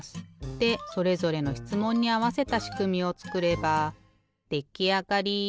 でそれぞれのしつもんにあわせたしくみをつくればできあがり！